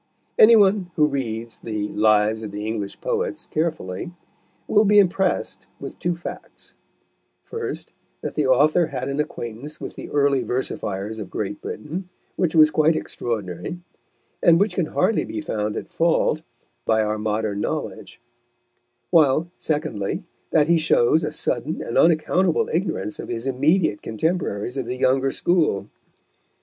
Any one who reads the Lives of the English Poets carefully, will be impressed with two facts: first, that the author had an acquaintance with the early versifiers of Great Britain, which was quite extraordinary, and which can hardly be found at fault by our modern knowledge; while, secondly, that he shows a sudden and unaccountable ignorance of his immediate contemporaries of the younger school.